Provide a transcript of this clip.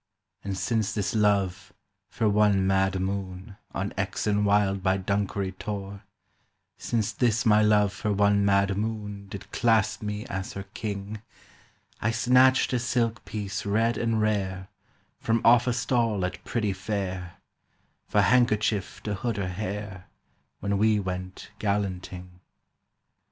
"And since this Love, for one mad moon, On Exon Wild by Dunkery Tor, Since this my Love for one mad moon Did clasp me as her king, I snatched a silk piece red and rare From off a stall at Priddy Fair, For handkerchief to hood her hair When we went gallanting.